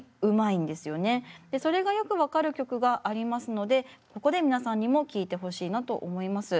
でそれがよく分かる曲がありますのでここで皆さんにも聴いてほしいなと思います。